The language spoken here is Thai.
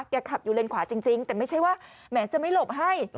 ขับอยู่เลนขวาจริงแต่ไม่ใช่ว่าแหมจะไม่หลบให้